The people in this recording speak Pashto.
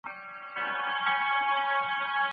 په علمي څېړنه کي پټي سترګي منل لویه تېروتنه ده.